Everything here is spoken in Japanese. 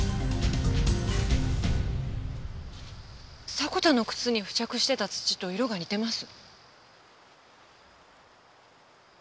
迫田の靴に付着してた土と色が似てます。